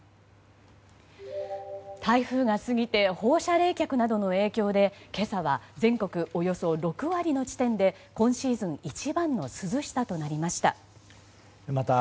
台風が過ぎて放射冷却などの影響で今朝は全国およそ６割の地点で今シーズン一番の涼しさとなりました。